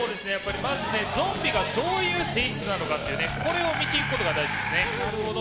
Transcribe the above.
まず、ゾンビがどういう性質なのかというこれを見ていくことが大事です。